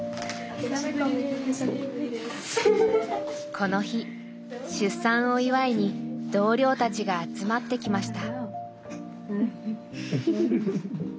この日出産を祝いに同僚たちが集まってきました。